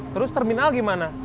terus terminal gimana